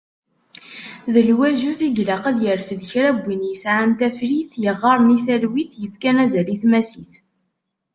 D lwaǧeb i ilaq ad yerfed kra n win yesεan tafrit, yeɣɣaren i talwit, yefkan azal i tmasit.